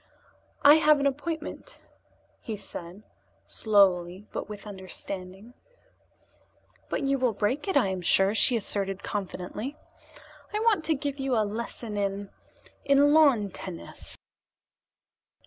"I have an appointment," he said slowly, but with understanding. "But you will break it, I am sure," she asserted confidently. "I want to give you a lesson in in lawn tennis."